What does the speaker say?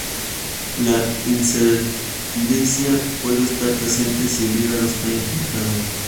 La ictericia puede estar presente si el hígado está implicado.